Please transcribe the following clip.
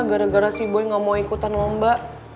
gara gara si boy gak mau ikutan lomba